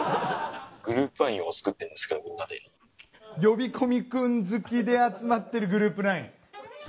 呼び込み君好きで集まってるグループＬＩＮＥ？